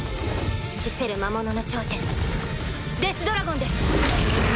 死せる魔物の頂点デス・ドラゴンです！